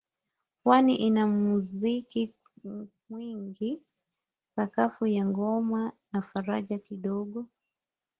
pwani ina muziki mwingi sakafu ya ngoma na faragha kidogo